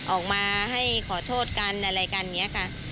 ออกมาให้ขอโทษกันอะไรกันอย่างนี้ค่ะ